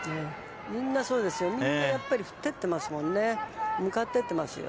みんなそうですよ、みんなやっぱり、振っていってますもんね、向かってってますよ。